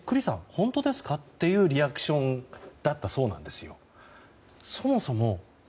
本当ですか？というリアクションだったんですよ。